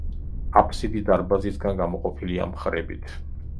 აფსიდი დარბაზისგან გამოყოფილია მხრებით.